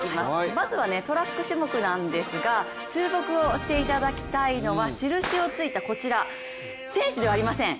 まずはトラック種目なんですが、注目していただきたいのは印をついた、こちら選手ではありません。